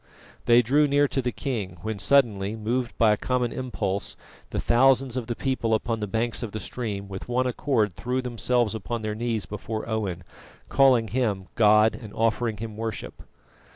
They drew near to the king, when suddenly, moved by a common impulse, the thousands of the people upon the banks of the stream with one accord threw themselves upon their knees before Owen, calling him God and offering him worship.